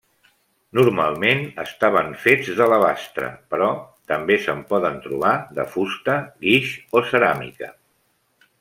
Normalment estaven fets d'alabastre però també se'n poden trobar de fusta, guix o ceràmica.